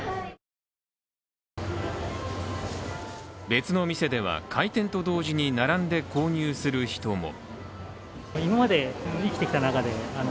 別の店では開店と同時に並んで購入する人も。